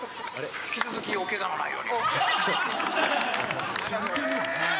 引き続き、おけがのないように。